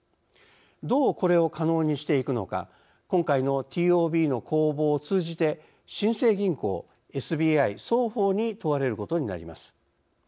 どうこれを可能にしていくのか今回のＴＯＢの攻防を通じて新生銀行・ＳＢＩ双方に問われることになります。